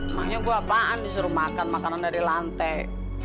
emangnya gue apaan disuruh makan makanan dari lantai